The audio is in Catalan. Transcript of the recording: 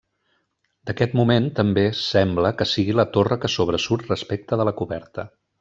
D'aquest moment també, sembla, que sigui la torre que sobresurt respecte de la coberta.